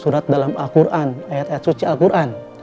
juga membacakan surat dalam ayat suci al quran